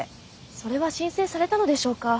それは申請されたのでしょうか？